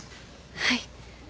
はい。